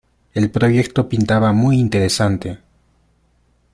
El proyecto pintaba muy interesante.